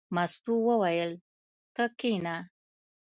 مستو وویل: ته کېنه.